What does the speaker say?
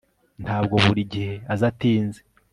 Ntabwo buri gihe aza atinze